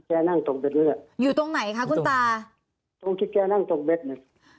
แจนั่งตบเบ็ดนี่แหละอยู่ตรงไหนคะคุณตาตรงที่แจนั่งตบเบ็ดนี่